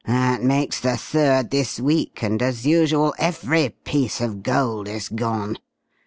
That makes the third this week, and as usual every piece of gold is gone.